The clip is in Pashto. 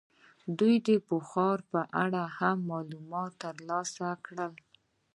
دوی دې د بخارا په اړه هم معلومات ترلاسه کړي.